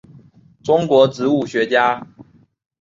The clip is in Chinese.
中国植物学家。